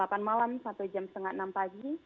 jam delapan malam sampai jam setengah enam pagi